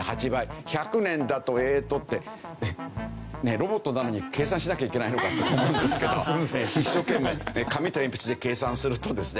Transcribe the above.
ロボットなのに計算しなきゃいけないのかと思うんですけど一生懸命紙と鉛筆で計算するとですね